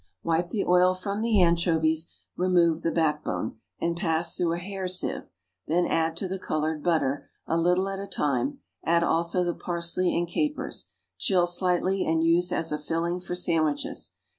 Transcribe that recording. Wipe the oil from the anchovies, remove the backbone, and pass through a hair sieve; then add to the colored butter, a little at a time; add also the parsley and capers; chill slightly and use as a filling for sandwiches.